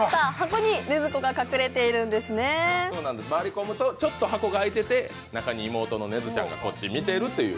回り込むとちょっと箱が開いてて、中に妹の禰豆ちゃんがこっち見てるという。